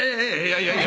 いやいや